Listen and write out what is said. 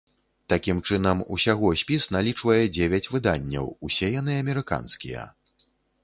Такім чынам, усяго спіс налічвае дзевяць выданняў, усе яны амерыканскія.